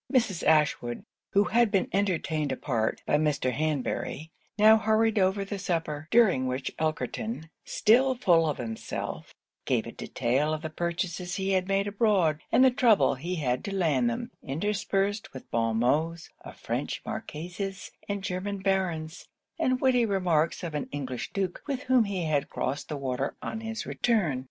Mrs. Ashwood, who had been entertained apart by Mr. Hanbury, now hurried over the supper; during which Elkerton, still full of himself, engrossed almost all the conversation; gave a detail of the purchases he had made abroad, and the trouble he had to land them; interspersed with bon mots of French Marquises and German Barons, and witty remarks of an English Duke with whom he had crossed the water on his return.